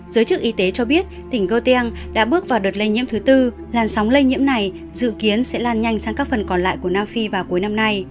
giới chức y tế cho biết tỉnh goldeng đã bước vào đợt lây nhiễm thứ tư làn sóng lây nhiễm này dự kiến sẽ lan nhanh sang các phần còn lại của nam phi vào cuối năm nay